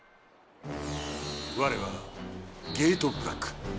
われはゲートブラック！